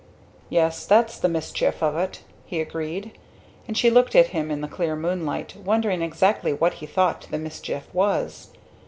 "Yes. That's the mischief of it!" he agreed; and she looked at him in the clear moonlight, wondering exactly what he thought the mischief was.